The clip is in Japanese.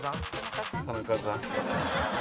田中さん？